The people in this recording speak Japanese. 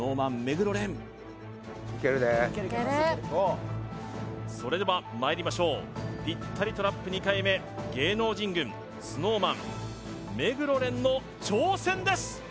黒蓮いけるでいけるそれではまいりましょうぴったりトラップ２回目芸能人軍ＳｎｏｗＭａｎ目黒蓮の挑戦です！